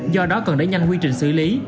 do đó cần đẩy nhanh quy trình xử lý